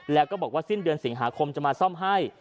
แล้วก็บอกว่าสิ้นเดือนสิงหาคมจะมาซ่อมให้